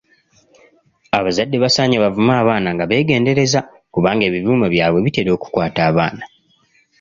Abazadde basaanye bavume abaana nga beegendereza kubanga ebivumo byabwe bitera okukwata abaana.